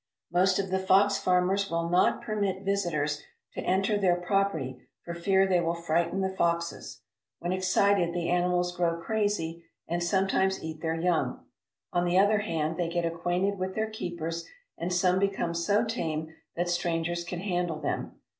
Most of the fox farmers will not permit visitors to enter their property for fear they will frighten the foxes. When excited the animals grow crazy and sometimes eat their young. On the other hand, they get acquainted with their keepers and some become so tame that strangers can handle them.